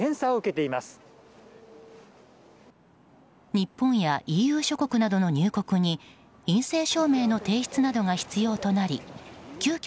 日本やＥＵ諸国などの入国に陰性証明などの提出が必要となり急きょ